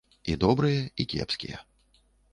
І добрыя, і кепскія.